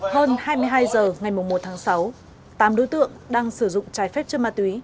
hơn hai mươi hai h ngày một tháng sáu tám đối tượng đang sử dụng trái phép chất ma túy